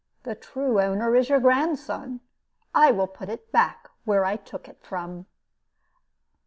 The true owner is your grandson. I will put it back where I took it from."